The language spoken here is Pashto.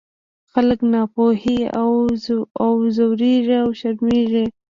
خلک له ناپوهۍ وځورېږي او وشرمېږي.